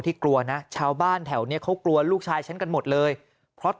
กลัวนะชาวบ้านแถวนี้เขากลัวลูกชายฉันกันหมดเลยเพราะ